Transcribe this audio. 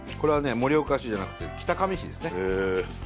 盛岡市じゃなくて北上市ですね